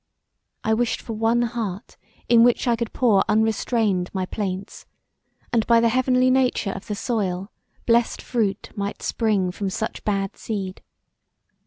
I wished for one heart in which I could pour unrestrained my plaints, and by the heavenly nature of the soil blessed fruit might spring from such bad seed.